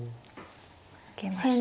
受けました。